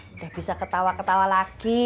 sudah bisa ketawa ketawa lagi